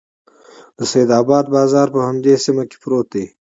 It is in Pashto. د سیدآباد بازار په همدې سیمه کې پروت دی.